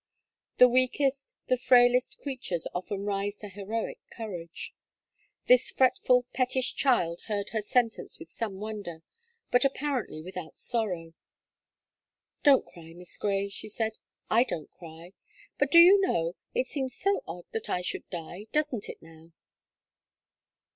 The weakest, the frailest creatures often rise to heroic courage. This fretful, pettish child heard her sentence with some wonder, but apparently without sorrow. "Don't cry, Miss Gray," she said, "I don't cry; but do you know, it seems so odd that I should die, doesn't it now?"